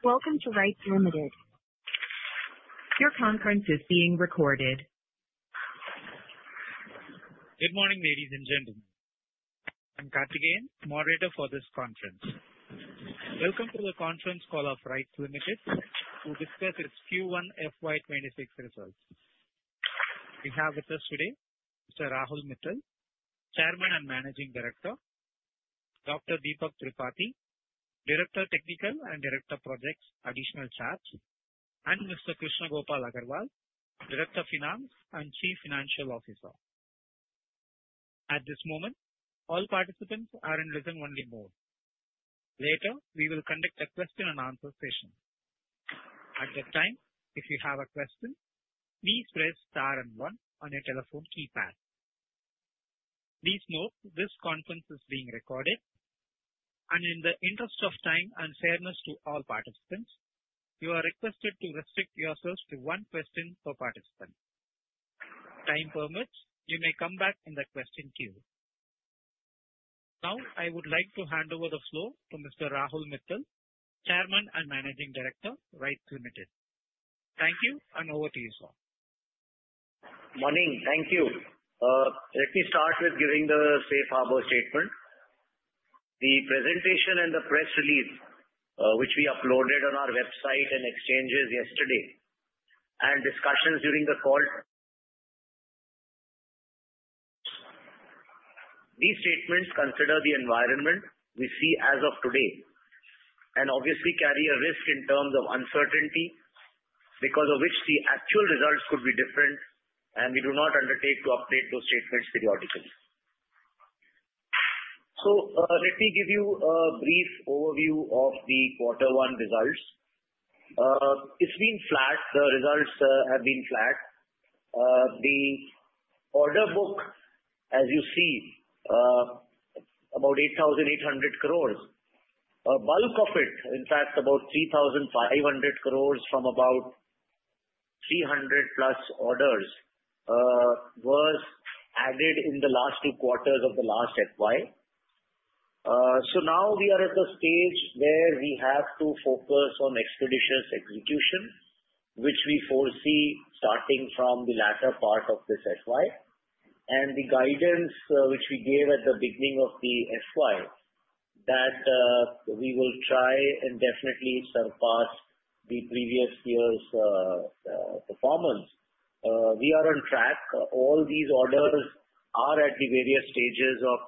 Welcome to RITES Limited. Your conference is being recorded. Good morning, ladies and gentlemen. I'm Karthikeyan, moderator for this conference. Welcome to the conference call of RITES Limited to discuss its Q1 FY26 results. We have with us today Mr. Rahul Mithal, Chairman and Managing Director; Dr. Deepak Tripathi, Director Technical and Director Projects Additional Charge; and Mr. Krishna Gopal Agarwal, Director Finance and Chief Financial Officer. At this moment, all participants are in listen-only mode. Later, we will conduct a question-and-answer session. At that time, if you have a question, please press star and one on your telephone keypad. Please note this conference is being recorded, and in the interest of time and fairness to all participants, you are requested to restrict yourselves to one question per participant. Time permits, you may come back in the question queue. Now, I would like to hand over the floor to Mr. Rahul Mithal, Chairman and Managing Director, RITES Limited. Thank you, and over to you, sir. Good morning. Thank you. Let me start with giving the Safe Harbor statement. The presentation and the press release, which we uploaded on our website and exchanges yesterday, and discussions during the call, these statements consider the environment we see as of today and obviously carry a risk in terms of uncertainty, because of which the actual results could be different, and we do not undertake to update those statements periodically. So let me give you a brief overview of the Quarter One results. It's been flat. The results have been flat. The order book, as you see, about 8,800 crores. A bulk of it, in fact, about 3,500 crores from about 300-plus orders, was added in the last two quarters of the last FY. So now we are at the stage where we have to focus on expeditious execution, which we foresee starting from the latter part of this FY, and the guidance which we gave at the beginning of the FY, that we will try and definitely surpass the previous year's performance, we are on track. All these orders are at the various stages of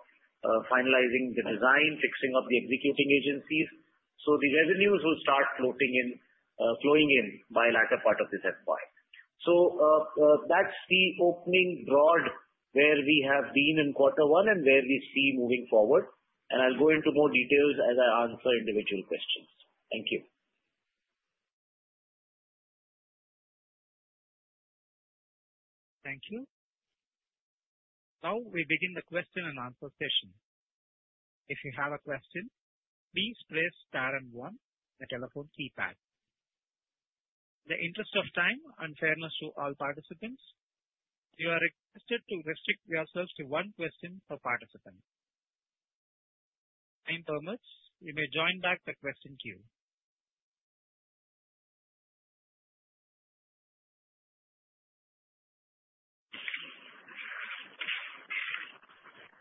finalizing the design, fixing up the executing agencies, so the revenues will start flowing in by the latter part of this FY, so that's the opening broad where we have been in Quarter One and where we see moving forward, and I'll go into more details as I answer individual questions. Thank you. Thank you. Now we begin the question-and-answer session. If you have a question, please press star and 1, the telephone keypad. In the interest of time and fairness to all participants, you are requested to restrict yourselves to one question per participant. Time permits, you may join back the question queue.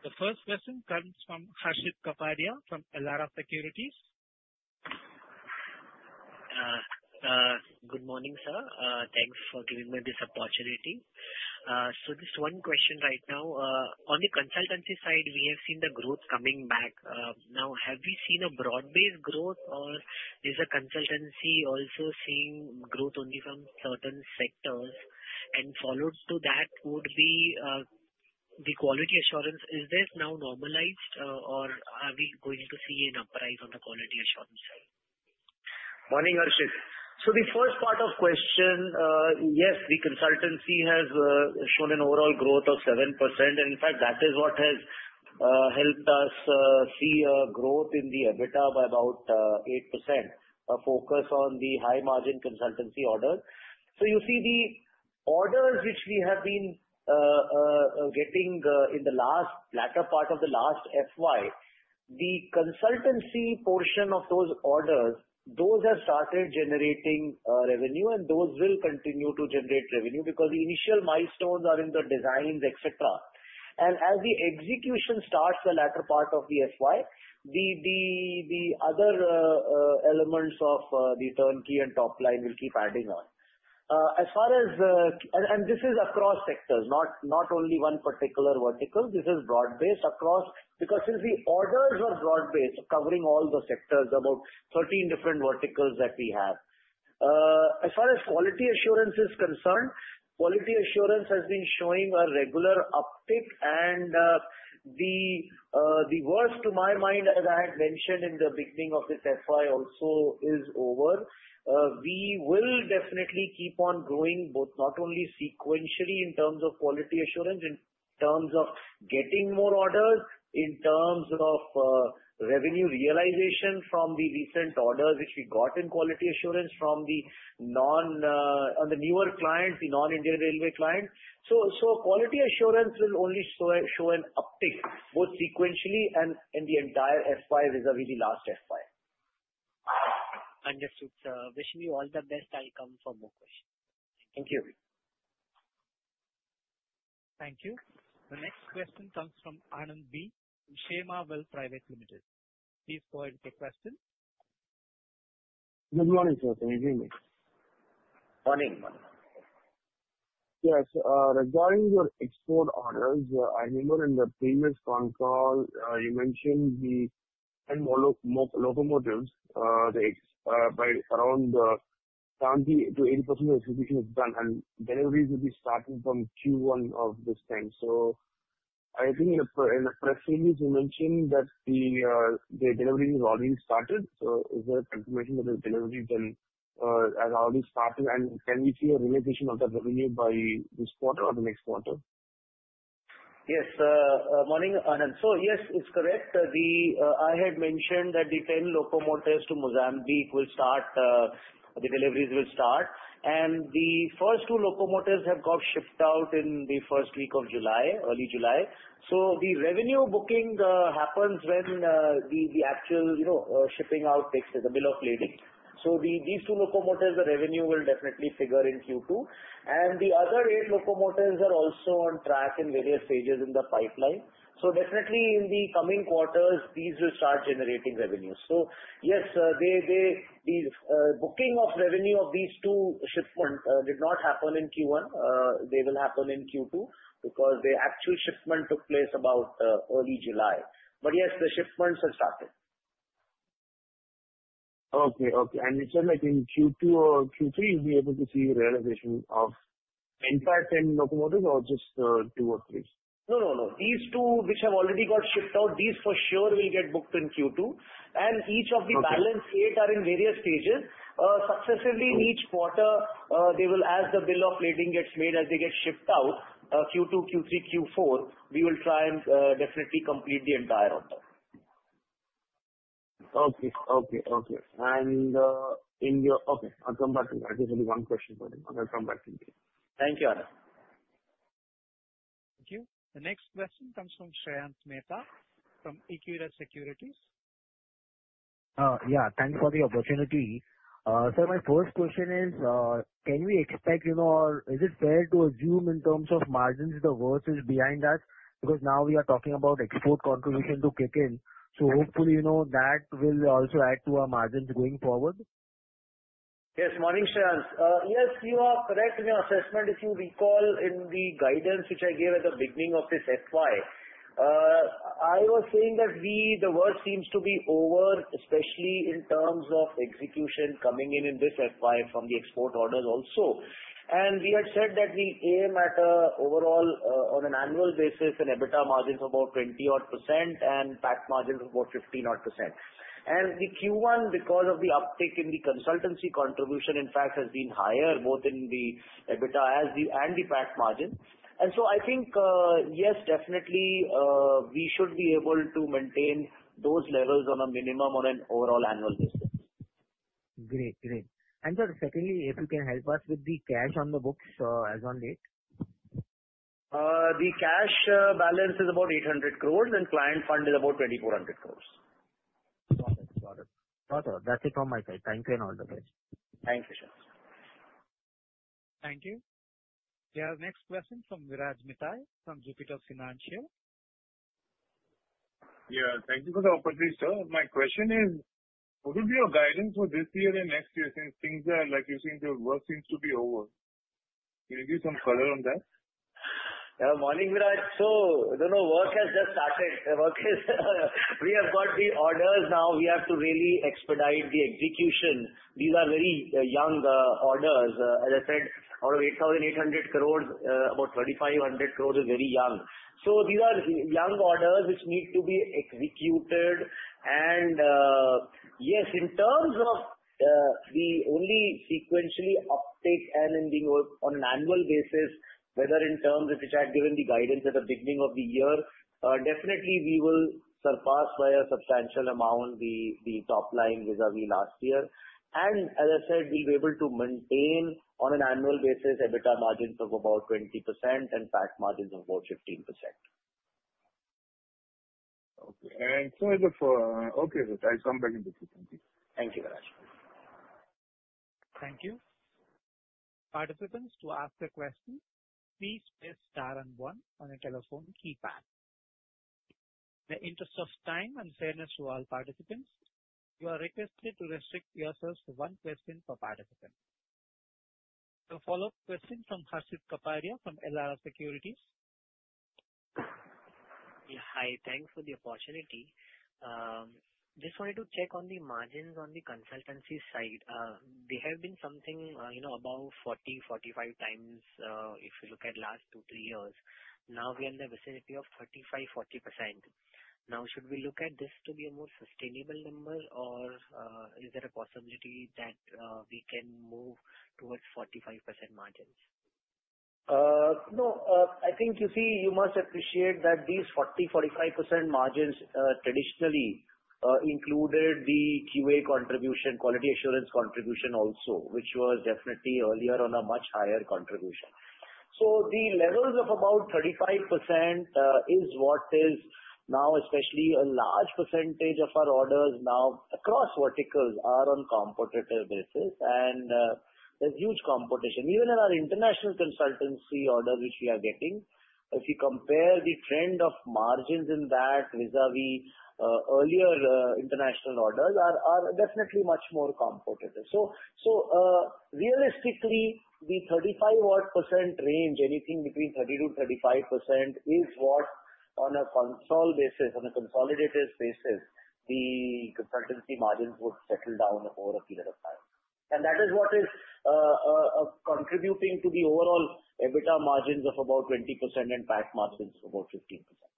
The first question comes from Harshit Kapadia from Elara Securities. Good morning, sir. Thanks for giving me this opportunity. So just one question right now. On the consultancy side, we have seen the growth coming back. Now, have we seen a broad-based growth, or is the consultancy also seeing growth only from certain sectors? And followed to that would be the quality assurance. Is this now normalized, or are we going to see an uprise on the quality assurance side? Morning, Harshit. So the first part of the question, yes, the consultancy has shown an overall growth of 7%. And in fact, that is what has helped us see a growth in the EBITDA by about 8%. A focus on the high-margin consultancy orders. So you see the orders which we have been getting in the latter part of the last FY, the consultancy portion of those orders, those have started generating revenue, and those will continue to generate revenue because the initial milestones are in the designs, etc. And as the execution starts, the latter part of the FY, the other elements of the turnkey and top line will keep adding on. As far as the, and this is across sectors, not only one particular vertical. This is broad-based across, because since the orders are broad-based, covering all the sectors, about 13 different verticals that we have. As far as Quality Assurance is concerned, Quality Assurance has been showing a regular uptick, and the worst, to my mind, as I had mentioned in the beginning of this FY, also is over. We will definitely keep on growing, both not only sequentially in terms of Quality Assurance, in terms of getting more orders, in terms of revenue realization from the recent orders which we got in Quality Assurance from the newer clients, the non-Indian railway clients. So Quality Assurance will only show an uptick, both sequentially and in the entire FY vis-à-vis the last FY. Understood, sir. Wishing you all the best. I'll come for more questions. Thank you. Thank you. The next question comes from Anand B. Shrey Marvel Private Limited. Please go ahead with your question. Good morning, sir. Can you hear me? Morning. Yes. Regarding your export orders, I remember in the previous phone call, you mentioned the 10 locomotives, around 70%-80% of the execution is done, and deliveries will be starting from Q1 of this time. So I think in the press release, you mentioned that the delivery has already started. So is there a confirmation that the deliveries are already started, and can we see a realization of that revenue by this quarter or the next quarter? Yes. Morning, Anand. So yes, it's correct. I had mentioned that the 10 locomotives to Mozambique will start. The deliveries will start. And the first two locomotives have got shipped out in the first week of July, early July. So the revenue booking happens when the actual shipping out takes place, the bill of lading. So these two locomotives, the revenue will definitely figure in Q2. And the other eight locomotives are also on track in various stages in the pipeline. So definitely, in the coming quarters, these will start generating revenue. So yes, the booking of revenue of these two shipments did not happen in Q1. They will happen in Q2 because the actual shipment took place about early July. But yes, the shipments have started. Okay. Okay, and you said that in Q2 or Q3, you'll be able to see realization of, in fact, 10 locomotives or just two or three? No, no, no. These two, which have already got shipped out, these for sure will get booked in Q2. And each of the balance eight are in various stages. Successively in each quarter, they will, as the bill of lading gets made, as they get shipped out, Q2, Q3, Q4, we will try and definitely complete the entire order. Okay. I'll come back to you. I just have one question for you, and I'll come back to you. Thank you, Anand. Thank you. The next question comes from Shreyans Mehta from Equirus Securities. Yeah. Thanks for the opportunity. So my first question is, can we expect or is it fair to assume in terms of margins the worst is behind us? Because now we are talking about export contribution to kick in. So hopefully that will also add to our margins going forward. Yes. Morning, Shreyans. Yes, you are correct in your assessment. If you recall in the guidance which I gave at the beginning of this FY, I was saying that the worst seems to be over, especially in terms of execution coming in in this FY from the export orders also. And we had said that we aim at an overall, on an annual basis, an EBITDA margin of about 20-odd% and PAT margin of about 15-odd%. And the Q1, because of the uptick in the consultancy contribution, in fact, has been higher, both in the EBITDA and the PAT margin. And so I think, yes, definitely, we should be able to maintain those levels on a minimum on an overall annual basis. Great. Great. And sir, secondly, if you can help us with the cash on the books as of late. The cash balance is about 800 crores, and client fund is about 2,400 crores. Got it. Got it. Got it. That's it from my side. Thank you and all the best. Thank you, sir. Thank you. We have the next question from Viraj Mithani from Jupiter Financial. Yeah. Thank you for the opportunity, sir. My question is, what would be your guidance for this year and next year since things are, like you've seen, the work seems to be over? Can you give some color on that? Yeah. Morning, Viraj. So work has just started. We have got the orders now. We have to really expedite the execution. These are very young orders. As I said, out of 8,800 crores, about 2,500 crores is very young. So these are young orders which need to be executed. And yes, in terms of the only sequentially uptick and in the on an annual basis, whether in terms which I had given the guidance at the beginning of the year, definitely we will surpass by a substantial amount the top line vis-à-vis last year. And as I said, we'll be able to maintain on an annual basis EBITDA margins of about 20% and PAT margins of about 15%. Okay. Okay, sir. I'll come back in the Q2. Thank you, Viraj. Thank you. Participants, to ask a question, please press star and one on your telephone keypad. In the interest of time and fairness to all participants, you are requested to restrict yourselves to one question per participant. The follow-up question from Harshit Kapadia from Elara Securities. Hi. Thanks for the opportunity. Just wanted to check on the margins on the consultancy side. There have been something about 40-45 times if you look at the last two-three years. Now we are in the vicinity of 35%-40%. Now, should we look at this to be a more sustainable number, or is there a possibility that we can move towards 45% margins? No, I think you see, you must appreciate that these 40%-45% margins traditionally included the QA contribution, quality assurance contribution also, which was definitely earlier on a much higher contribution. So the levels of about 35% is what is now, especially a large percentage of our orders now across verticals are on competitive basis, and there's huge competition. Even in our international consultancy orders which we are getting, if you compare the trend of margins in that vis-à-vis earlier international orders, are definitely much more competitive. So realistically, the 35-odd% range, anything between 30%-35%, is what on a consolidated basis, the consultancy margins would settle down over a period of time. And that is what is contributing to the overall EBITDA margins of about 20% and PAT margins of about 15%. Understood, sir. I'll join again for the Q2. Thank you. Thank you.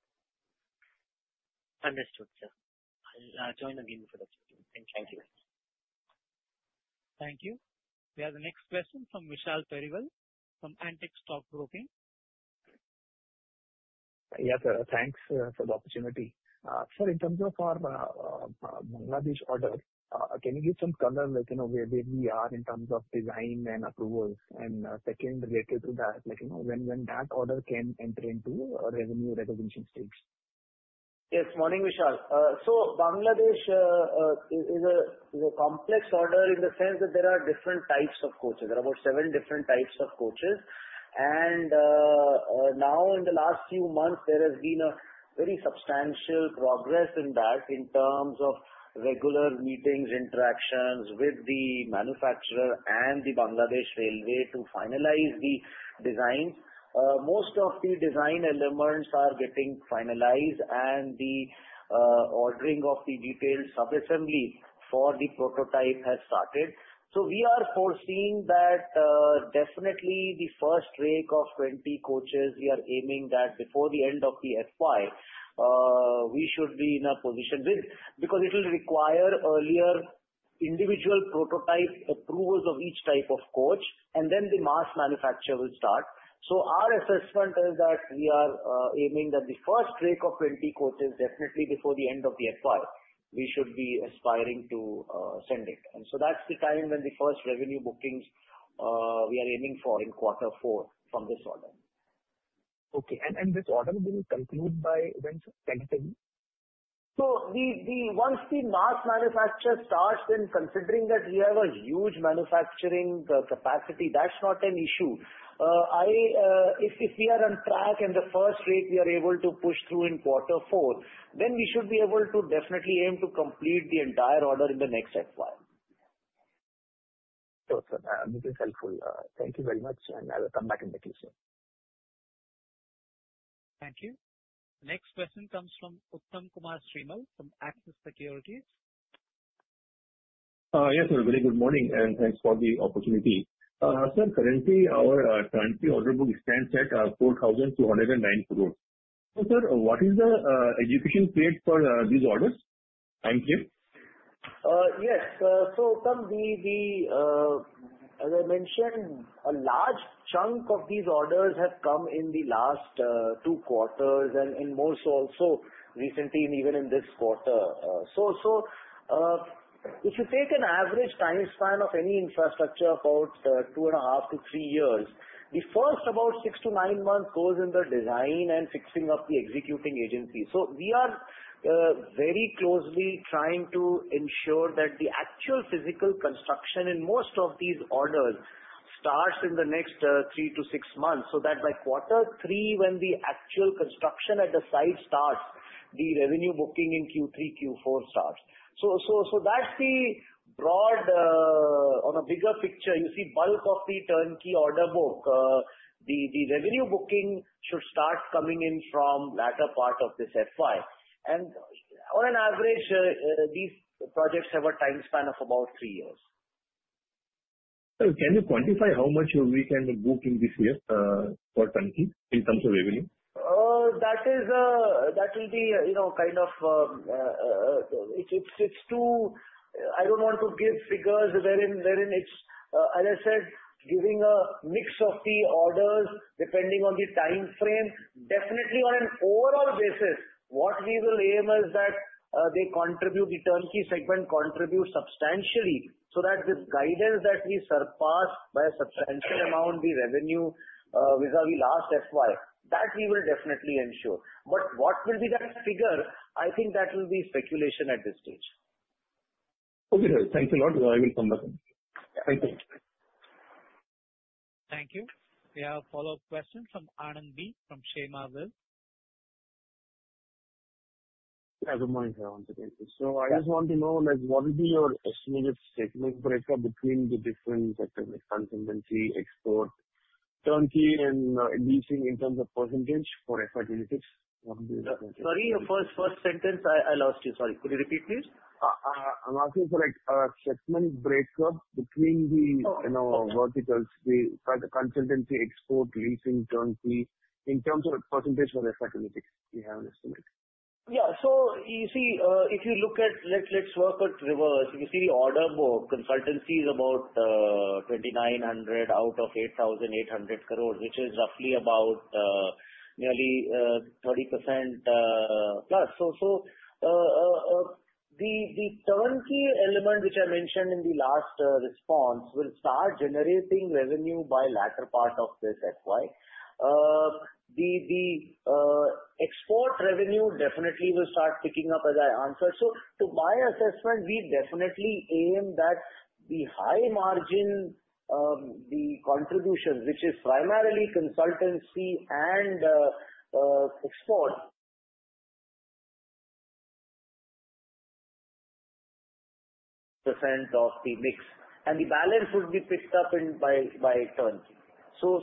Thank you. We have the next question from Vishal Periwal from Antique Stock Broking. Yes, sir. Thanks for the opportunity. Sir, in terms of our Bangladesh order, can you give some color where we are in terms of design and approvals? And second, related to that, when that order can enter into revenue recognition stage? Yes. Morning, Vishal. So Bangladesh is a complex order in the sense that there are different types of coaches. There are about seven different types of coaches. And now in the last few months, there has been a very substantial progress in that in terms of regular meetings, interactions with the manufacturer and the Bangladesh Railway to finalize the designs. Most of the design elements are getting finalized, and the ordering of the detailed sub-assembly for the prototype has started. So we are foreseeing that definitely the first rake of 20 coaches, we are aiming that before the end of the FY, we should be in a position with because it will require earlier individual prototype approvals of each type of coach, and then the mass manufacture will start. So, our assessment is that we are aiming that the first rake of 20 coaches, definitely before the end of the FY, we should be aspiring to send it. And so, that's the time when the first revenue bookings we are aiming for in quarter four from this order. Okay. And this order will conclude by when? Tell me the time? So once the mass manufacture starts, then considering that we have a huge manufacturing capacity, that's not an issue. If we are on track and the first rake we are able to push through in quarter four, then we should be able to definitely aim to complete the entire order in the next FY. Sure, sir. This is helpful. Thank you very much, and I will come back in the Q2. Thank you. Next question comes from Uttam Kumar Srimal from Axis Securities. Yes, sir. Very good morning, and thanks for the opportunity. Sir, currently our order book stands at INR 4,209 crores. Sir, what is the expected payment for these orders? Thank you. Yes. So Uttam, as I mentioned, a large chunk of these orders have come in the last two quarters and in most also recently, and even in this quarter. So if you take an average time span of any infrastructure of about two and a half to three years, the first about six to nine months goes in the design and fixing up the executing agency. So we are very closely trying to ensure that the actual physical construction in most of these orders starts in the next three to six months so that by quarter three, when the actual construction at the site starts, the revenue booking in Q3, Q4 starts. So that's the broad on a bigger picture. You see, bulk of the turnkey order book, the revenue booking should start coming in from latter part of this FY. On an average, these projects have a time span of about three years. So can you quantify how much we can book in this year for Turnkey in terms of revenue? That will be kind of it's too. I don't want to give figures wherein it's, as I said, giving a mix of the orders depending on the time frame. Definitely, on an overall basis, what we will aim is that they contribute the turnkey segment contribute substantially so that the guidance that we surpass by a substantial amount, the revenue vis-à-vis last FY, that we will definitely ensure. But what will be that figure? I think that will be speculation at this stage. Okay, sir. Thank you a lot. I will come back. Thank you. Thank you. We have a follow-up question from Anand B. from Shrey Marvel. Yeah. Good morning, sir. So I just want to know, what would be your estimated segment breakup between the different consultancy, export, turnkey, and leasing in terms of percentage for FY26? Sorry, your first sentence, I lost you. Sorry. Could you repeat, please? I'm asking for a segment breakup between the verticals, the consultancy, export, leasing, turnkey, in terms of percentage for FY26. Do you have an estimate? Yeah. So you see, if you look at let's work it reverse. You see, the order book consultancy is about 2,900 out of 8,800 crores, which is roughly about nearly 30% plus. So the turnkey element, which I mentioned in the last response, will start generating revenue by latter part of this FY. The export revenue definitely will start picking up, as I answered. So to my assessment, we definitely aim that the high margin, the contribution, which is primarily consultancy and export, percent of the mix. And the balance would be picked up by turnkey. So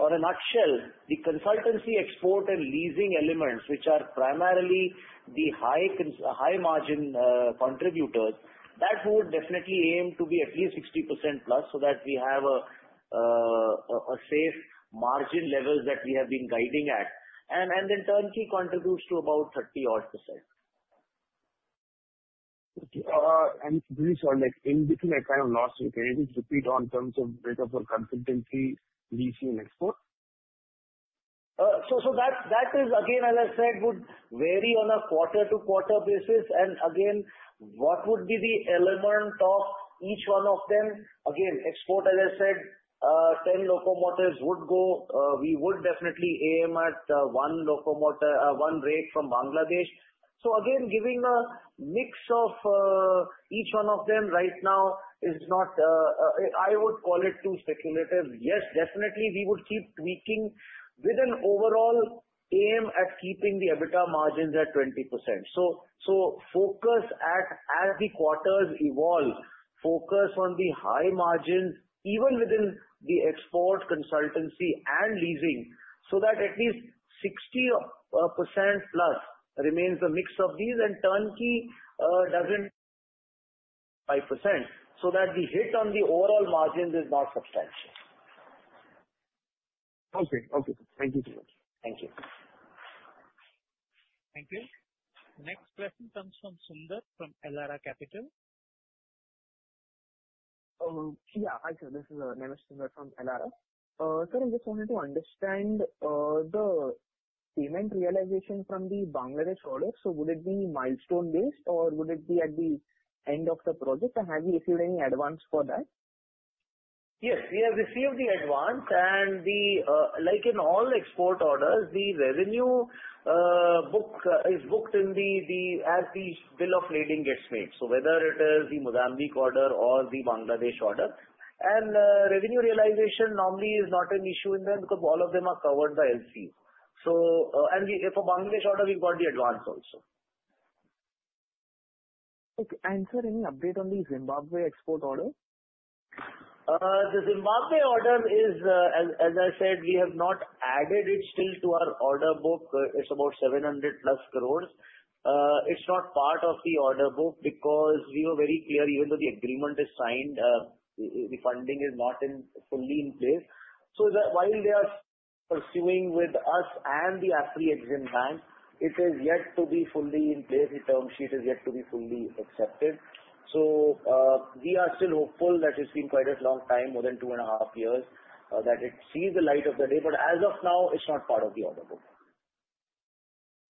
on a nutshell, the consultancy, export, and leasing elements, which are primarily the high margin contributors, that would definitely aim to be at least 60% plus so that we have a safe margin level that we have been guiding at. And then turnkey contributes to about 30-odd%. Vishal, in between, I kind of lost you. Can you just repeat in terms of breakup for consultancy, leasing, and export? So that is, again, as I said, would vary on a quarter-to-quarter basis. And again, what would be the element of each one of them? Again, export, as I said, 10 locomotives would go. We would definitely aim at one rake from Bangladesh. So again, giving a mix of each one of them right now is not, I would call it, too speculative. Yes, definitely, we would keep tweaking with an overall aim at keeping the EBITDA margins at 20%. So focus at, as the quarters evolve, focus on the high margin, even within the export, consultancy, and leasing, so that at least 60% plus remains a mix of these and turnkey doesn't 5% so that the hit on the overall margins is not substantial. Okay. Okay. Thank you so much. Thank you. Thank you. Next question comes from Sundar from Elara Capital. Yeah. Hi, sir. This is Nemish Sundar from Elara. Sir, I just wanted to understand the payment realization from the Bangladesh order. So would it be milestone-based, or would it be at the end of the project? And have you received any advance for that? Yes. We have received the advance, and like in all export orders, the revenue is booked as the bill of lading gets made, so whether it is the Mozambique order or the Bangladesh order, and revenue realization normally is not an issue in them because all of them are covered by LC, and for Bangladesh order, we've got the advance also. Okay. And sir, any update on the Zimbabwe export order? The Zimbabwe order is, as I said, we have not added it still to our order book. It's about 700-plus crores. It's not part of the order book because we were very clear, even though the agreement is signed, the funding is not fully in place. So while they are pursuing with us and the Afreximbank, it is yet to be fully in place. The term sheet is yet to be fully accepted. So we are still hopeful that it's been quite a long time, more than two and a half years, that it sees the light of day. But as of now, it's not part of the order book.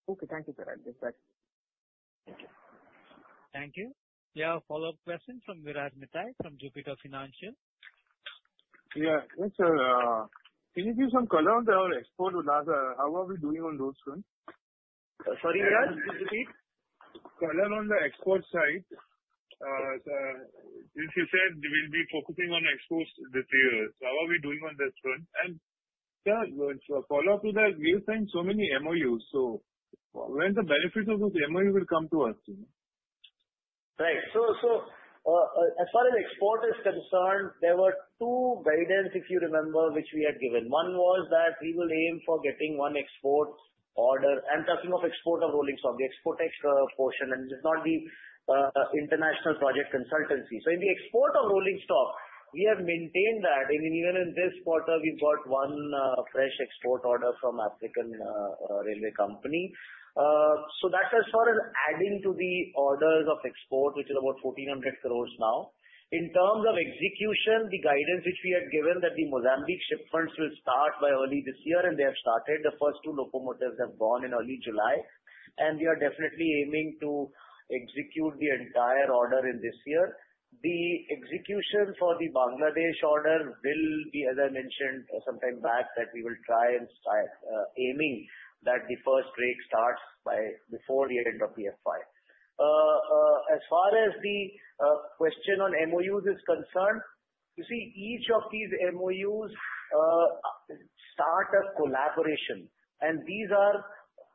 Okay. Thank you, sir. I'll just. Thank you. Thank you. We have a follow-up question from Viraj Mithani from Jupiter Financial. Yeah. Yes, sir. Can you give some color on the export? How are we doing on those funds? Sorry, Viraj? Can you repeat? Color on the export side. Since you said we'll be focusing on exports, how are we doing on that front? And sir, as a follow-up to that, we're signing so many MOUs. So when the benefit of those MOUs will come to us? Right. So as far as export is concerned, there were two guidance, if you remember, which we had given. One was that we will aim for getting one export order. I'm talking of export of rolling stock, the export portion, and it's not the international project consultancy. So in the export of rolling stock, we have maintained that. And even in this quarter, we've got one fresh export order from African Railway Company. So that's as far as adding to the orders of export, which is about 1,400 crores now. In terms of execution, the guidance which we had given that the Mozambique shipments will start by early this year, and they have started. The first two locomotives have gone in early July. And we are definitely aiming to execute the entire order in this year. The execution for the Bangladesh order will be, as I mentioned sometime back, that we will try and start aiming that the first rake starts before the end of the FY. As far as the question on MOUs is concerned, you see, each of these MOUs start a collaboration. And these are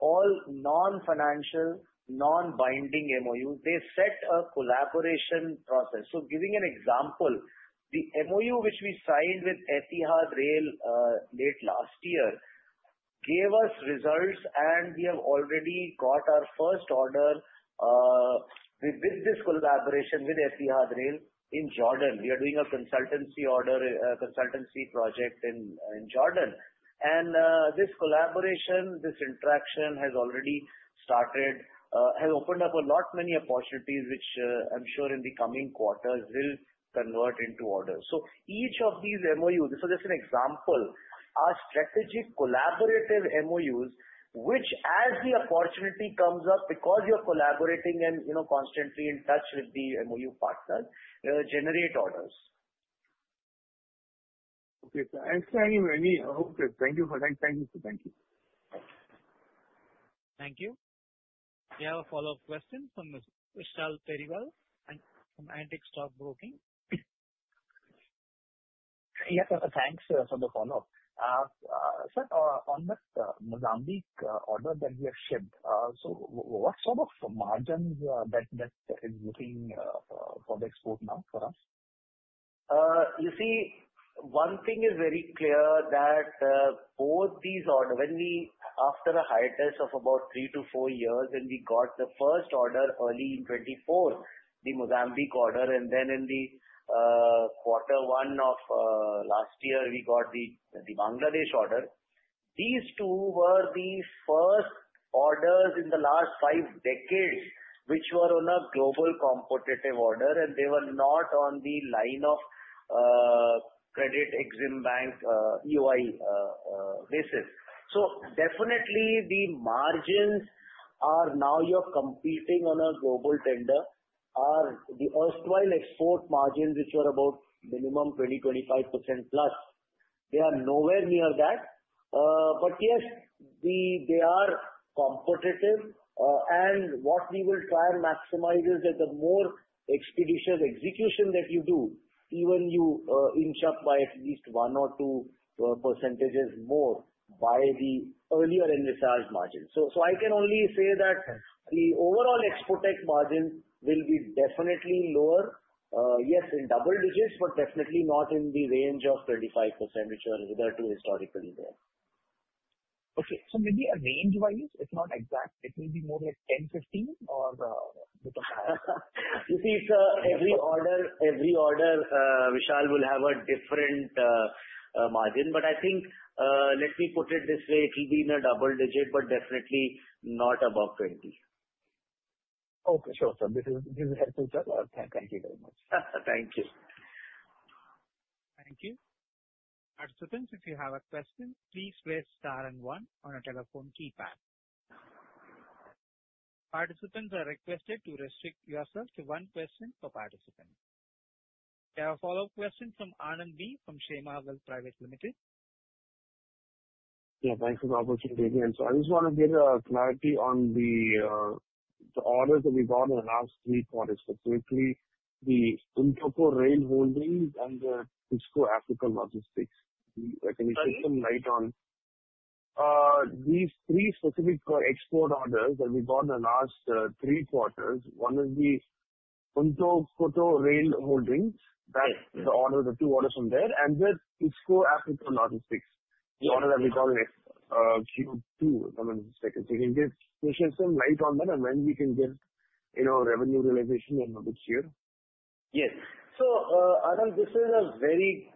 all non-financial, non-binding MOUs. They set a collaboration process. So giving an example, the MOU which we signed with Etihad Rail late last year gave us results, and we have already got our first order with this collaboration with Etihad Rail in Jordan. We are doing a consultancy project in Jordan. And this collaboration, this interaction has already started, has opened up a lot many opportunities, which I'm sure in the coming quarters will convert into orders. Each of these MOUs, this is just an example, are strategic collaborative MOUs, which as the opportunity comes up, because you're collaborating and constantly in touch with the MOU partner, generate orders. Okay, sir. I'm signing many. Okay. Thank you for that. Thank you, sir. Thank you. Thank you. We have a follow-up question from Vishal Periwal from Antique Stock Broking. Yes, sir. Thanks for the follow-up. Sir, on that Mozambique order that we have shipped, so what sort of margins that is looking for the export now for us? You see, one thing is very clear that both these orders, when we after a hiatus of about three to four years, when we got the first order early in 2024, the Mozambique order, and then in the quarter one of last year, we got the Bangladesh order, these two were the first orders in the last five decades, which were on a global competitive order, and they were not on the line of credit Exim Bank EOI basis. So definitely, the margins are now, you're competing on a global tender. The erstwhile export margins, which were about minimum 20%-25% plus, they are nowhere near that. But yes, they are competitive. And what we will try and maximize is that the more expeditious execution that you do, even you inch up by at least one or two percentages more by the earlier in the charge margin. So I can only say that the overall export margin will be definitely lower. Yes, in double digits, but definitely not in the range of 25%, which are rather too historically there. Okay. So maybe a range-wise, if not exact, it will be more like 10, 15 or a bit higher? You see, every order, Vishal, will have a different margin. But I think, let me put it this way, it will be in a double digit, but definitely not above 20. Okay. Sure, sir. This is helpful. Thank you very much. Thank you. Thank you. Participants, if you have a question, please press star and one on a telephone keypad. Participants are requested to restrict yourself to one question per participant. We have a follow-up question from Anand B. from Shrey Marvel Private Limited. Yeah. Thanks for the opportunity, again. So I just want to get clarity on the orders that we got in the last three quarters, specifically the Ntoko Rail Holdings and the Tsiko Africa Logistics. Can you shed some light on these three specific export orders that we got in the last three quarters? One is the Ntoko Rail Holdings, the two orders from there, and the Tsiko Africa Logistics, the order that we got in Q2. Give me a second. So you can give some light on that and when we can get revenue realization in a bit here. Yes. So Anand, this is a very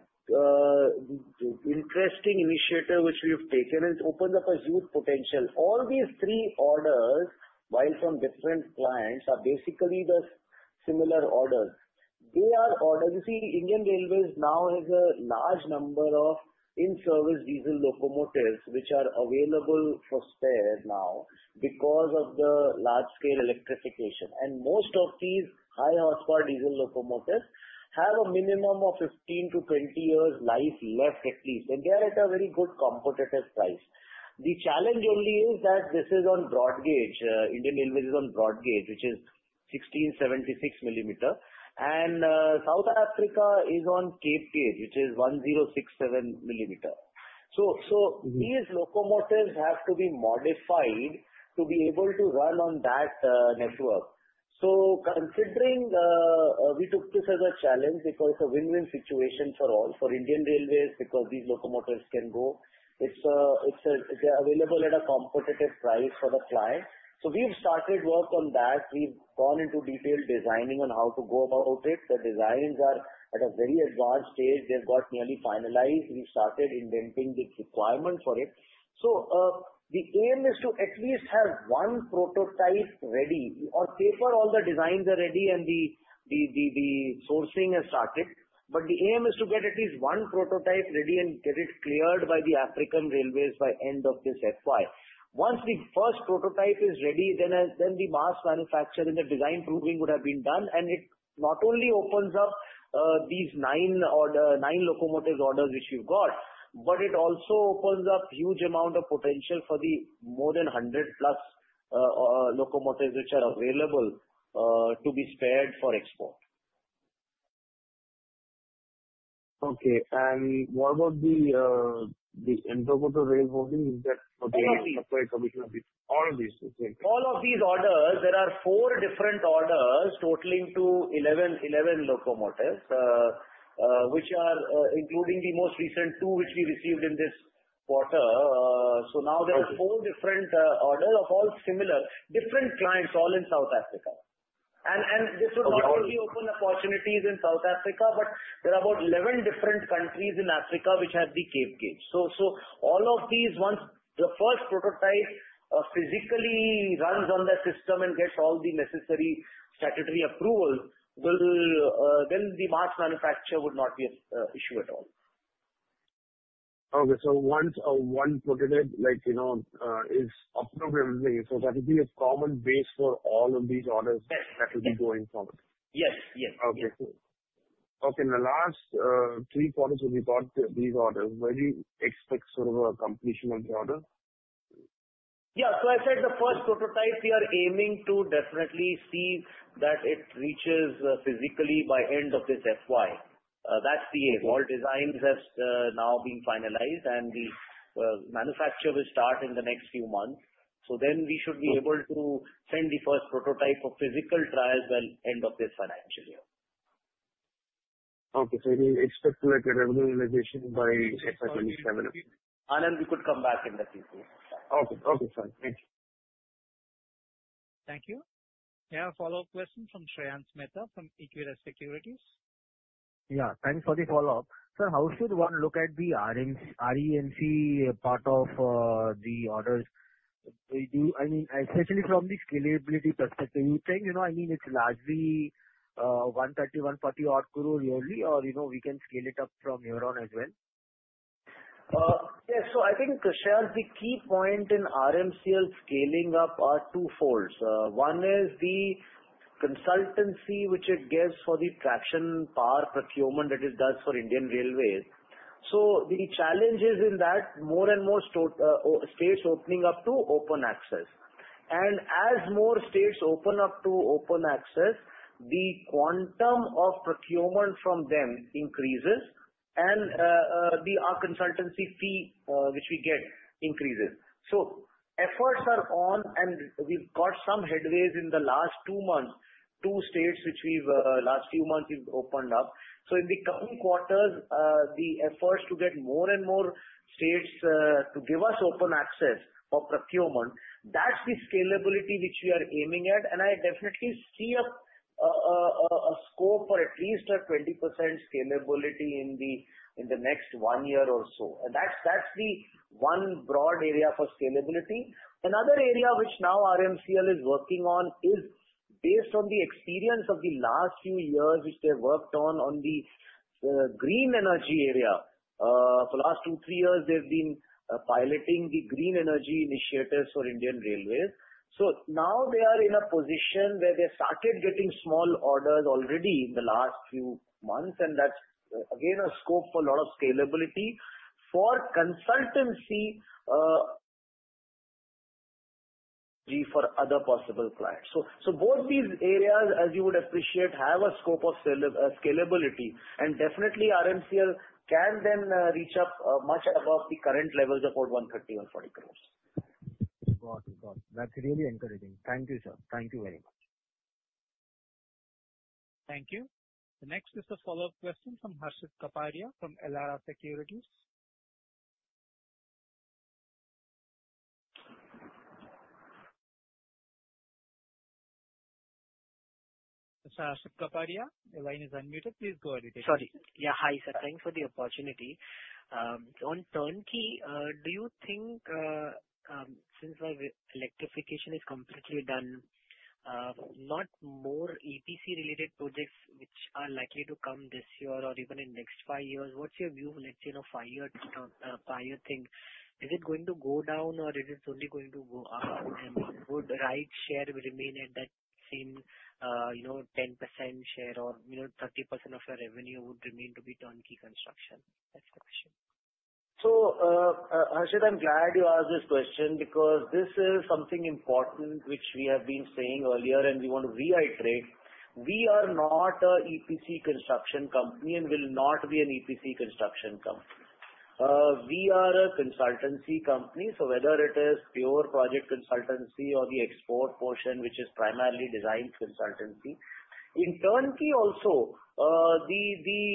interesting initiative which we have taken, and it opens up a huge potential. All these three orders, while from different clients, are basically the similar orders. You see, Indian Railways now has a large number of in-service diesel locomotives, which are available for spare now because of the large-scale electrification. And most of these high-horsepower diesel locomotives have a minimum of 15-20 years' life left, at least. And they are at a very good competitive price. The challenge only is that this is on Broad Gauge. Indian Railways is on Broad Gauge, which is 1,676 millimeters. And South Africa is on Cape Gauge, which is 1,067 millimeters. So these locomotives have to be modified to be able to run on that network. So considering we took this as a challenge because it's a win-win situation for all, for Indian Railways, because these locomotives can go. They're available at a competitive price for the client. So we've started work on that. We've gone into detailed designing on how to go about it. The designs are at a very advanced stage. They've got nearly finalized. We've started indenting the requirement for it. So the aim is to at least have one prototype ready. On paper, all the designs are ready, and the sourcing has started. But the aim is to get at least one prototype ready and get it cleared by the African Railways by end of this FY. Once the first prototype is ready, then the mass manufacturing and the design proving would have been done. It not only opens up these nine locomotive orders which we've got, but it also opens up a huge amount of potential for the more than 100-plus locomotives which are available to be spared for export. Okay. And what about the Ntoko Rail Holdings that we have for exhibition of these? All of these. All of these orders, there are four different orders totaling to 11 locomotives, which are including the most recent two which we received in this quarter. So now there are four different orders of all similar, different clients, all in South Africa. And this would not only open opportunities in South Africa, but there are about 11 different countries in Africa which have the Cape gauge. So all of these, once the first prototype physically runs on that system and gets all the necessary statutory approval, then the mass manufacture would not be an issue at all. Okay. So once one prototype is approved, everything is approved. So that would be a common base for all of these orders that will be going forward? Yes. Yes. Okay. Okay. In the last three quarters when we got these orders, where do you expect sort of a completion of the order? Yeah. So I said the first prototype, we are aiming to definitely see that it reaches physically by end of this FY. That's the aim. All designs have now been finalized, and the manufacture will start in the next few months. So then we should be able to send the first prototype for physical trials by end of this financial year. Okay, so you expect to get revenue realization by FY 2027? Anand, we could come back in that detail. Okay. Okay. Fine. Thank you. Thank you. We have a follow-up question from Shreyans Mehta from Equirus Securities. Yeah. Thanks for the follow-up. Sir, how should one look at the REMCL part of the orders? I mean, especially from the scalability perspective, you think, I mean, it's largely 130, 140 odd crore yearly, or we can scale it up from here on as well? Yes. So I think, Vishal, the key point in REMCL scaling up are twofold. One is the consultancy which it gives for the traction power procurement that it does for Indian Railways. So the challenge is in that more and more states opening up to open access. And as more states open up to open access, the quantum of procurement from them increases, and our consultancy fee which we get increases. So efforts are on, and we've got some headway in the last two months. Two states which we've opened up in the last few months. So in the coming quarters, the efforts to get more and more states to give us open access for procurement, that's the scalability which we are aiming at. And I definitely see a scope for at least a 20% scalability in the next one year or so. And that's the one broad area for scalability. Another area which now REMCL is working on is based on the experience of the last few years which they've worked on the green energy area. For the last two, three years, they've been piloting the green energy initiatives for Indian Railways. So now they are in a position where they started getting small orders already in the last few months, and that's, again, a scope for a lot of scalability for consultancy for other possible clients. So both these areas, as you would appreciate, have a scope of scalability, and definitely, REMCL can then reach up much above the current levels of about 130-140 crores. Got it. Got it. That's really encouraging. Thank you, sir. Thank you very much. Thank you. The next is a follow-up question from Harshit Kapadia from Elara Securities. Mr. Harshit Kapadia, your line is unmuted. Please go ahead. Sorry. Yeah. Hi, sir. Thanks for the opportunity. On turnkey, do you think since electrification is completely done, not more EPC-related projects which are likely to come this year or even in the next five years, what's your view? Let's say in a five-year thing, is it going to go down, or is it only going to go up? I mean, would RITES share remain at that same 10% share or 30% of your revenue would remain to be turnkey construction? That's the question. Harshit, I'm glad you asked this question because this is something important which we have been saying earlier, and we want to reiterate. We are not an EPC construction company and will not be an EPC construction company. We are a consultancy company. Whether it is pure project consultancy or the export portion, which is primarily design consultancy. In turnkey also, the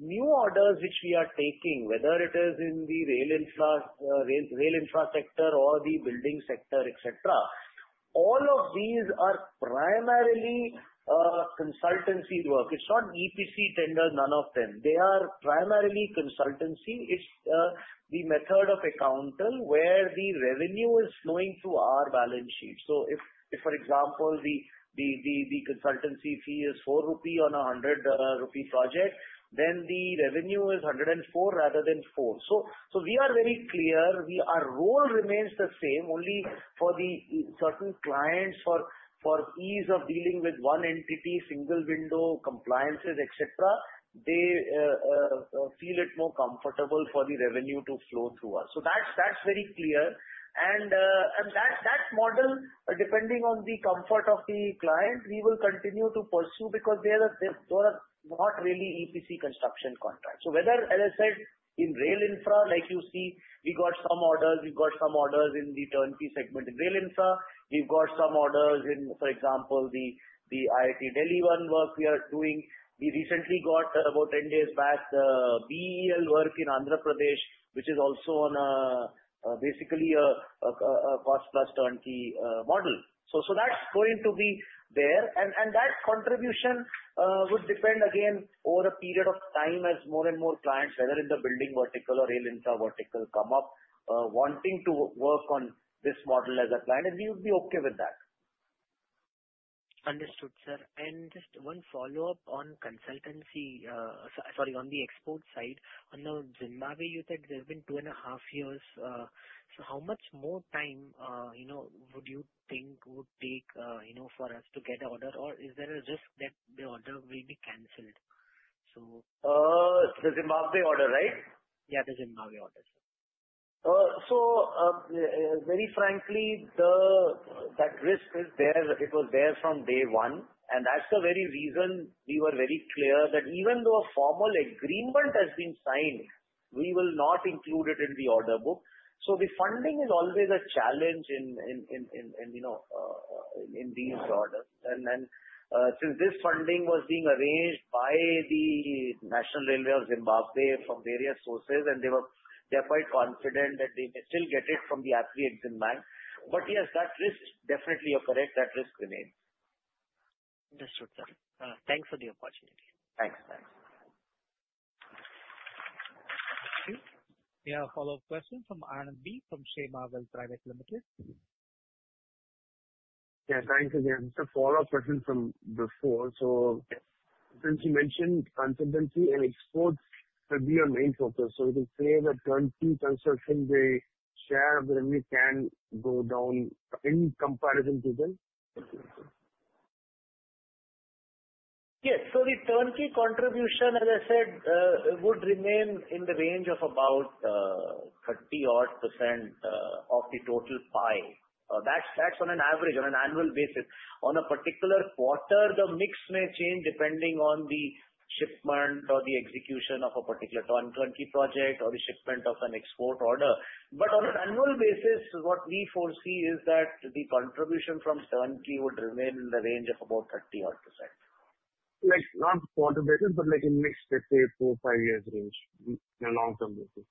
new orders which we are taking, whether it is in the rail infrastructure or the building sector, etc., all of these are primarily consultancy work. It's not EPC tender, none of them. They are primarily consultancy. It's the method of accounting where the revenue is flowing through our balance sheet. If, for example, the consultancy fee is 4 rupee on a 100 rupee project, then the revenue is 104 rather than 4. We are very clear. Our role remains the same, only for the certain clients, for ease of dealing with one entity, single window, compliances, etc., they feel it more comfortable for the revenue to flow through us. So that's very clear. And that model, depending on the comfort of the client, we will continue to pursue because they are not really EPC construction contracts. So whether, as I said, in rail infra, like you see, we got some orders. We've got some orders in the turnkey segment in rail infra. We've got some orders in, for example, the IIT Delhi one work we are doing. We recently got, about 10 days back, the BEL work in Andhra Pradesh, which is also on basically a cost-plus turnkey model. So that's going to be there. That contribution would depend, again, over a period of time as more and more clients, whether in the building vertical or rail infra vertical, come up wanting to work on this model as a client. We would be okay with that. Understood, sir. And just one follow-up on consultancy, sorry, on the export side. On the Zimbabwe, you said there have been two and a half years. So how much more time would you think would take for us to get an order, or is there a risk that the order will be canceled? The Zimbabwe order, right? Yeah, the Zimbabwe order, sir. So very frankly, that risk is there. It was there from day one. And that's the very reason we were very clear that even though a formal agreement has been signed, we will not include it in the order book. So the funding is always a challenge in these orders. And since this funding was being arranged by the National Railways of Zimbabwe from various sources, and they are quite confident that they may still get it from Afreximbank. But yes, that risk, definitely, you're correct, that risk remains. Understood, sir. Thanks for the opportunity. Thanks. Thanks. We have a follow-up question from Anand B from Shrey Marvel Private Limited. Yeah. Thanks again. Just a follow-up question from before. So since you mentioned consultancy and exports could be your main focus, so you can say that turnkey consultancy, the share of the revenue can go down in comparison to them? Yes. So the turnkey contribution, as I said, would remain in the range of about 30-odd% of the total pie. That's on an average, on an annual basis. On a particular quarter, the mix may change depending on the shipment or the execution of a particular turnkey project or the shipment of an export order. But on an annual basis, what we foresee is that the contribution from turnkey would remain in the range of about 30-odd%. Not quarter basis, but in mix, let's say, four, five years range, in a long-term basis.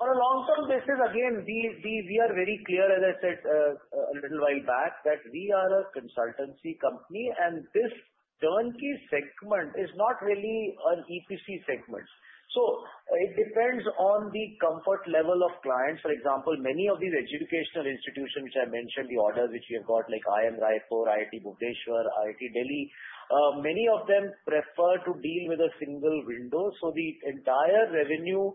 On a long-term basis, again, we are very clear, as I said a little while back, that we are a consultancy company, and this turnkey segment is not really an EPC segment. So it depends on the comfort level of clients. For example, many of these educational institutions which I mentioned, the orders which we have got, like IIT Roorkee, IIT Bhubaneswar, IIT Delhi, many of them prefer to deal with a single window. So the entire revenue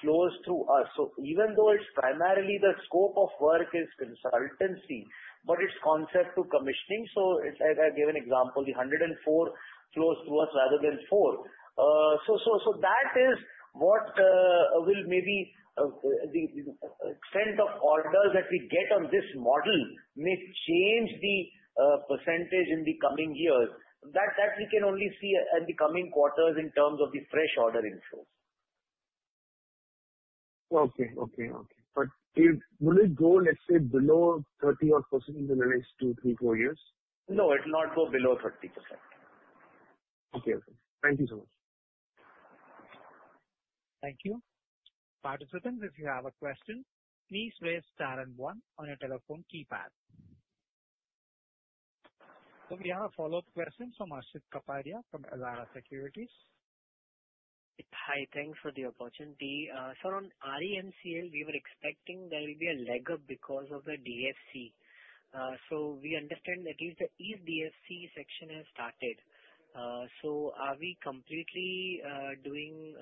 flows through us. So even though it's primarily the scope of work is consultancy, but it's concept to commissioning. So as I gave an example, the 104 flows through us rather than four. So that is what will maybe the extent of orders that we get on this model may change the percentage in the coming years. That we can only see in the coming quarters in terms of the fresh order inflows. Okay. Okay. Okay. But will it go, let's say, below 30-odd% in the next two, three, four years? No, it will not go below 30%. Okay. Okay. Thank you so much. Thank you. Participants, if you have a question, please raise star and one on your telephone keypad. So we have a follow-up question from Harshit Kapadia from Elara Securities. Hi. Thanks for the opportunity. Sir, on REMCL, we were expecting there will be a leg up because of the DFC. So we understand that the East DFC section has started. So, are we completely doing?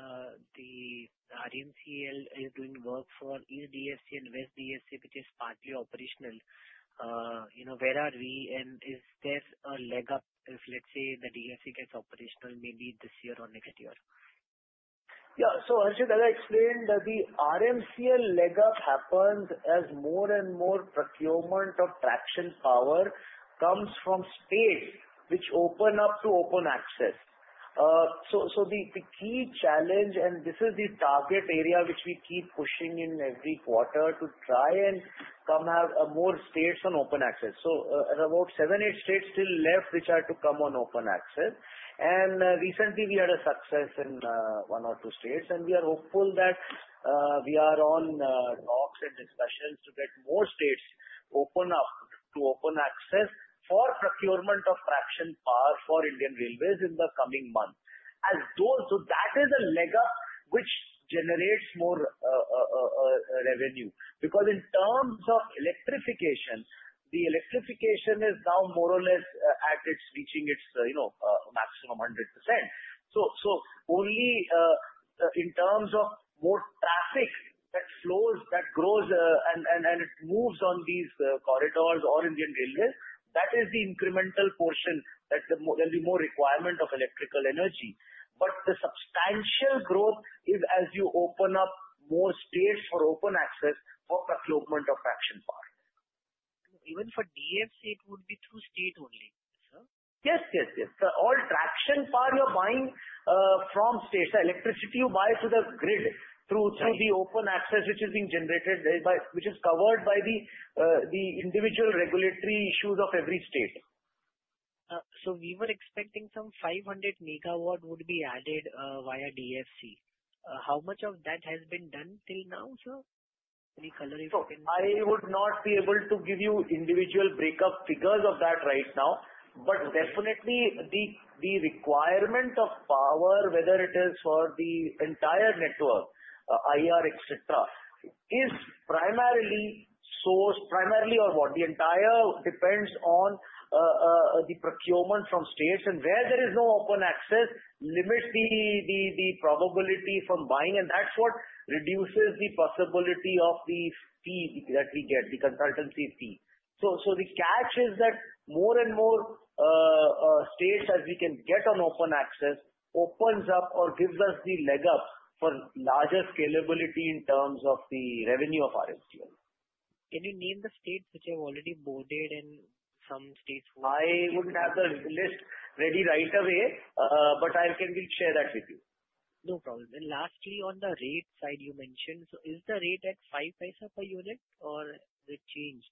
The REMCL is doing work for East DFC and West DFC, which is partly operational? Where are we, and is there a leg up if, let's say, the DFC gets operational maybe this year or next year? Yeah. So Harshit, as I explained, the REMCL leg up happens as more and more procurement of traction power comes from space which opens up to open access. So the key challenge, and this is the target area which we keep pushing in every quarter to try and come have more states on open access. So about seven, eight states still left which are to come on open access. And recently, we had a success in one or two states, and we are hopeful that we are on talks and discussions to get more states open up to open access for procurement of traction power for Indian Railways in the coming months. So that is a leg up which generates more revenue because in terms of electrification, the electrification is now more or less at its reaching its maximum 100%. So only in terms of more traffic that flows, that grows, and it moves on these corridors or Indian Railways, that is the incremental portion that there will be more requirement of electrical energy. But the substantial growth is as you open up more states for open access for procurement of traction power. Even for DFC, it would be through state only, sir? Yes. Yes. Yes. All traction power you're buying from states. The electricity you buy through the grid, through the open access which is being generated, which is covered by the individual regulatory issues of every state. We were expecting some 500 MW would be added via DFC. How much of that has been done till now, sir? Any color you can see? So I would not be able to give you individual breakup figures of that right now. But definitely, the requirement of power, whether it is for the entire network, IR, etc., is primarily sourced or what? The entire depends on the procurement from states. And where there is no open access, it limits the probability from buying, and that's what reduces the possibility of the fee that we get, the consultancy fee. So the catch is that more and more states, as we can get on open access, opens up or gives us the leg up for larger scalability in terms of the revenue of REMCL. Can you name the states which have already boarded and some states who? I wouldn't have the list ready right away, but I can share that with you. No problem. And lastly, on the rate side, you mentioned, so is the rate at 0.05 per unit, or has it changed?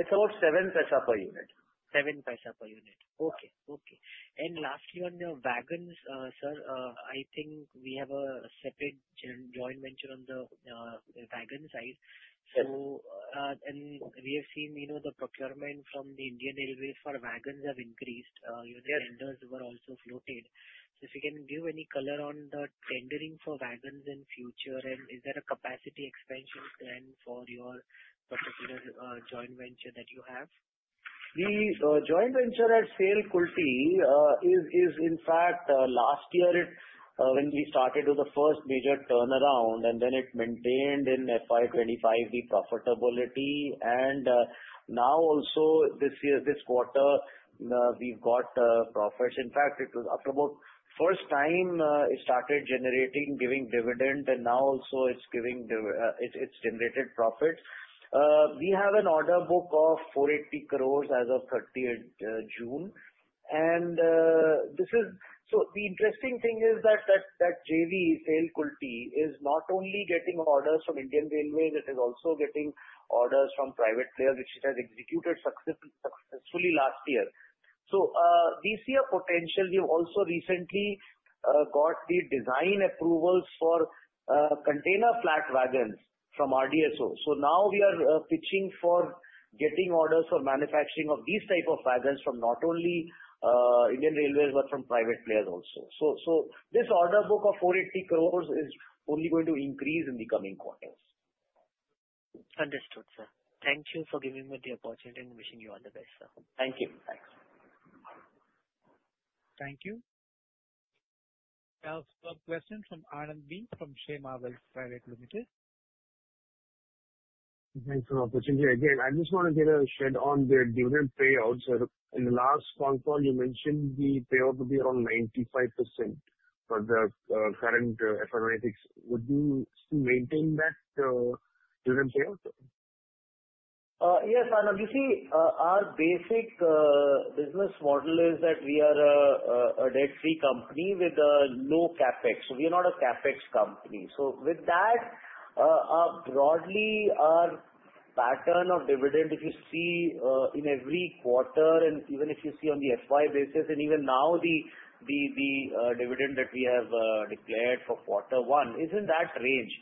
It's about 0.07 per unit. 0.07 per unit. Okay. Okay. And lastly, on the wagons, sir, I think we have a separate joint venture on the wagon side. And we have seen the procurement from the Indian Railways for wagons have increased. Even the tenders were also floated. So if you can give any color on the tendering for wagons in the future, and is there a capacity expansion plan for your particular joint venture that you have? The joint venture at SAIL Kulti is, in fact, last year when we started with the first major turnaround, and then it maintained in FY 25 the profitability. And now also, this quarter, we've got profits. In fact, it was for the first time it started generating, giving dividend, and now also, it's generated profits. We have an order book of 480 crores as of 30 June. And so the interesting thing is that JV, SAIL Kulti, is not only getting orders from Indian Railways. It is also getting orders from private players, which it has executed successfully last year. So we see a potential. We have also recently got the design approvals for container flat wagons from RDSO. So now we are pitching for getting orders for manufacturing of these types of wagons from not only Indian Railways but from private players also. This order book of 480 crores is only going to increase in the coming quarters. Understood, sir. Thank you for giving me the opportunity. I wish you all the best, sir. Thank you. Thanks. Thank you. We have a question from Anand B. from Shrey Marvel Private Limited. Thanks for the opportunity. Again, I just want to get a sense on the dividend payout. So in the last phone call, you mentioned the payout would be around 95% for the current FY 2026. Would you still maintain that dividend payout? Yes, Anand. You see, our basic business model is that we are a debt-free company with a low CapEx. So we are not a CapEx company. So with that, broadly, our pattern of dividend, if you see in every quarter, and even if you see on the FY basis, and even now, the dividend that we have declared for quarter one is in that range.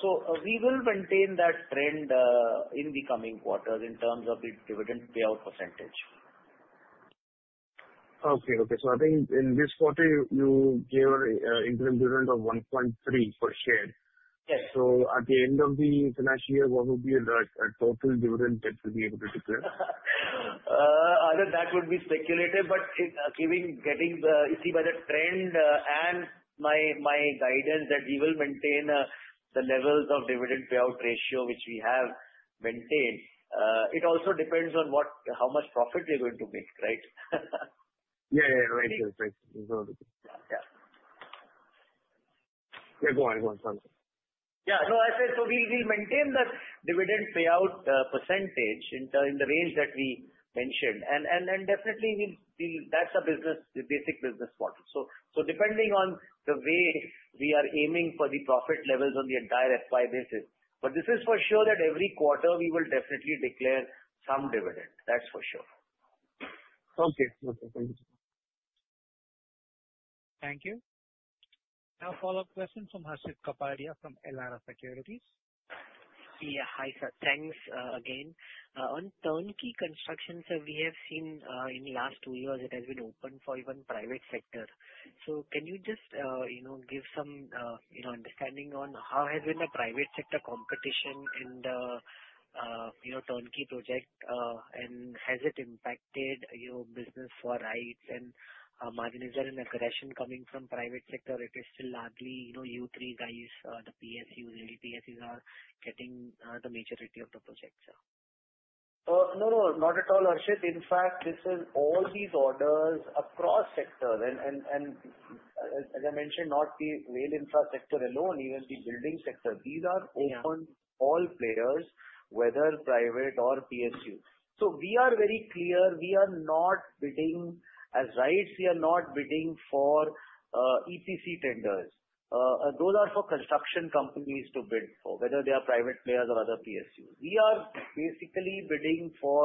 So we will maintain that trend in the coming quarters in terms of the dividend payout percentage. Okay. So I think in this quarter, you gave an increment of 1.3 per share. At the end of the financial year, what would be the total dividend that you'll be able to declare? That would be speculative. But going by the trend and my guidance that we will maintain the levels of dividend payout ratio which we have maintained, it also depends on how much profit we're going to make, right? Yeah. Yeah. Right. Right. Right. Yeah. Yeah. Go on. Go on. Yeah. No, I said, so we'll maintain that dividend payout percentage in the range that we mentioned. And definitely, that's a basic business model. So, depending on the way we are aiming for the profit levels on the entire FY basis. But this is for sure that every quarter, we will definitely declare some dividend. That's for sure. Okay. Okay. Thank you. Thank you. Now, a follow-up question from Harshit Kapadia from Elara Securities. Yeah. Hi, sir. Thanks again. On turnkey construction, sir, we have seen in the last two years, it has been open for even private sector. So can you just give some understanding on how has been the private sector competition in the turnkey project, and has it impacted your business, RITES' marginalization and aggression coming from private sector? It is still largely you three guys, the PSUs, L&T's are getting the majority of the projects, sir. No, no. Not at all, Harshit. In fact, this is all these orders across sectors, and as I mentioned, not the rail infrastructure alone, even the building sector. These are open to all players, whether private or PSUs, so we are very clear. We are not bidding as RITES. We are not bidding for EPC tenders. Those are for construction companies to bid for, whether they are private players or other PSUs. We are basically bidding for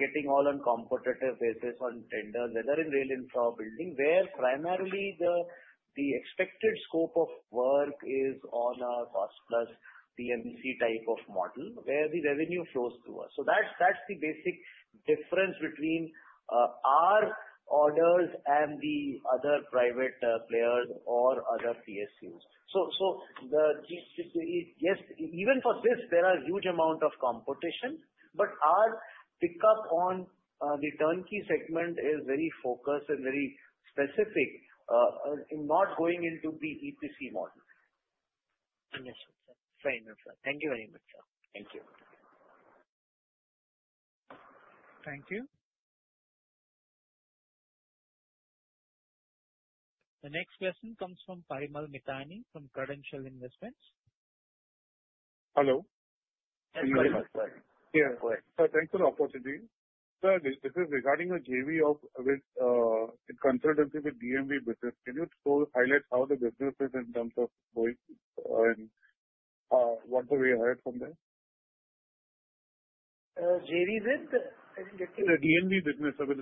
getting all on competitive basis on tenders, whether in rail infra or building, where primarily the expected scope of work is on a cost-plus PMC type of model where the revenue flows through us, so that's the basic difference between our orders and the other private players or other PSUs. So yes, even for this, there are a huge amount of competition, but our pickup on the turnkey segment is very focused and very specific in not going into the EPC model. Understood, sir. Very much, sir. Thank you very much, sir. Thank you. Thank you. The next question comes from Parimal Mithani from Credential Investments. Hello. Thank you very much. Yeah. Go ahead. Sir, thanks for the opportunity. Sir, this is regarding a JV with consultancy with DNV business. Can you highlight how the business is in terms of going and what the way ahead from there? JV with? The DNV business with the Norwegian company for quality assurance, which we are tied up. So that's not a JV. That's basically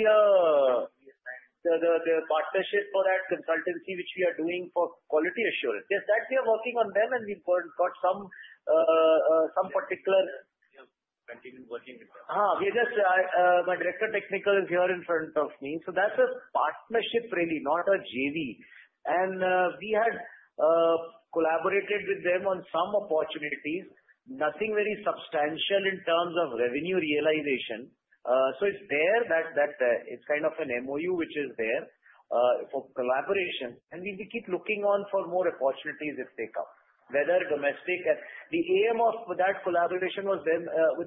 the partnership for that consultancy which we are doing for quality assurance. Yes, we are working on them, and we got some particular. Continued working with them. My Director Technical is here in front of me. So that's a partnership really, not a JV. And we had collaborated with them on some opportunities, nothing very substantial in terms of revenue realization. So it's there. It's kind of an MOU which is there for collaboration. And we keep looking on for more opportunities if they come, whether domestic. The aim of that collaboration with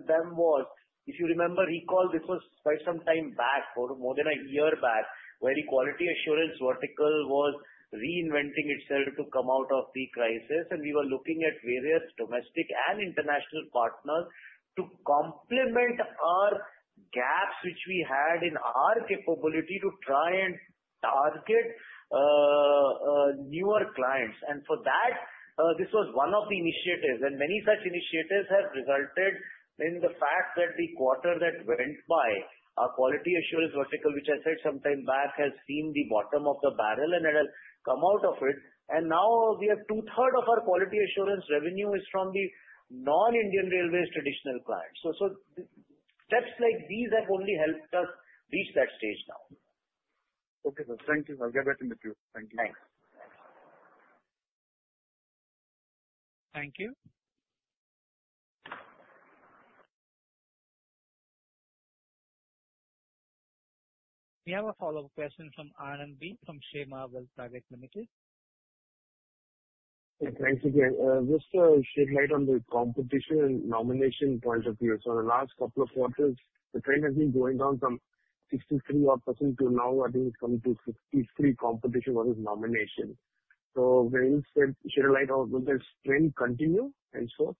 them was, if you remember, recall, this was quite some time back, more than a year back, where the quality assurance vertical was reinventing itself to come out of the crisis. And we were looking at various domestic and international partners to complement our gaps which we had in our capability to try and target newer clients. And for that, this was one of the initiatives. And many such initiatives have resulted in the fact that the quarter that went by, our quality assurance vertical, which I said some time back, has seen the bottom of the barrel, and it has come out of it. And now, we have two-thirds of our quality assurance revenue is from the non-Indian Railways traditional clients. So steps like these have only helped us reach that stage now. Okay. Thank you. I'll get back in touch with you. Thank you. Thanks. Thank you. We have a follow-up question from Anand B. from Shrey Marvel Private Limited. Thank you, sir. Just shed light on the competition and nomination point of view. So in the last couple of quarters, the trend has been going down from 63% to now, I think it's coming to 63% competition versus nomination. So when you said shed light on, will this trend continue and so?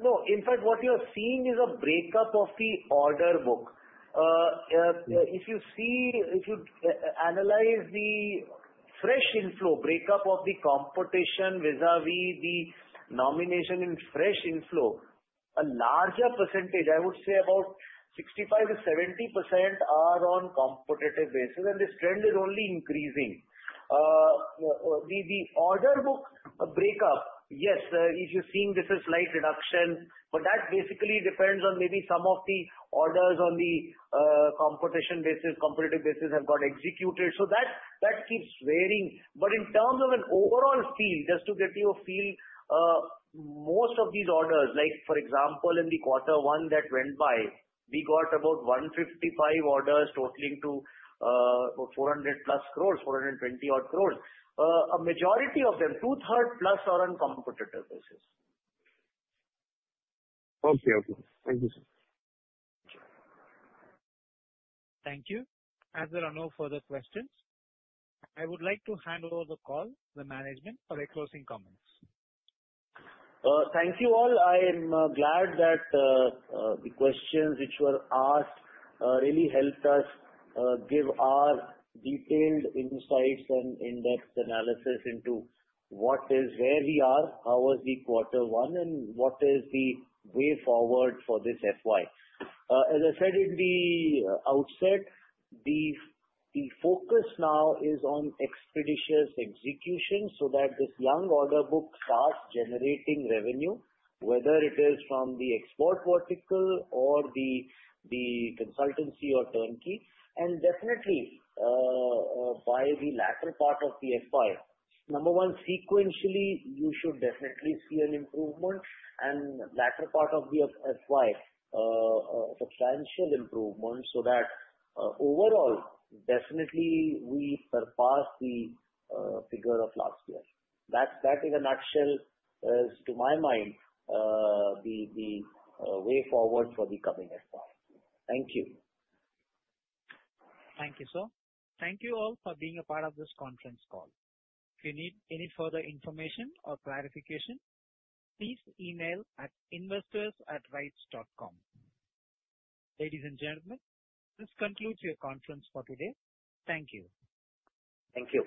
No. In fact, what you're seeing is a breakup of the order book. If you analyze the fresh inflow, breakup of the competition vis-à-vis the nomination and fresh inflow, a larger percentage, I would say about 65%-70%, are on competitive basis. And this trend is only increasing. The order book breakup, yes, if you're seeing this is slight reduction, but that basically depends on maybe some of the orders on the competition basis, competitive basis have got executed. So that keeps varying. But in terms of an overall feel, just to get you a feel, most of these orders, for example, in the quarter one that went by, we got about 155 orders totaling to about 400-plus crores, 420-odd crores. A majority of them, two-thirds plus, are on competitive basis. Okay. Okay. Thank you, sir. Thank you. There are no further questions. I would like to hand over the call to the management for a closing comments. Thank you all. I am glad that the questions which were asked really helped us give our detailed insights and in-depth analysis into where we are, how was the quarter one, and what is the way forward for this FY. As I said in the outset, the focus now is on expeditious execution so that this young order book starts generating revenue, whether it is from the export vertical or the consultancy or turnkey, and definitely, by the latter part of the FY, number one, sequentially, you should definitely see an improvement and latter part of the FY, substantial improvement so that overall, definitely, we surpass the figure of last year. That is, in a nutshell, to my mind, the way forward for the coming FY. Thank you. Thank you, sir. Thank you all for being a part of this conference call. If you need any further information or clarification, please email at investors@rites.com. Ladies and gentlemen, this concludes your conference for today. Thank you. Thank you.